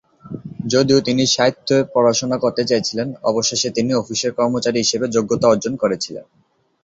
যদিও তিনি সাহিত্য পড়াশোনা করতে চেয়েছিলেন, অবশেষে তিনি অফিসের কর্মচারী হিসাবে যোগ্যতা অর্জন করেছিলেন।